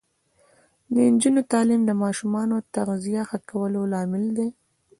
د نجونو تعلیم د ماشومانو تغذیه ښه کولو لامل دی.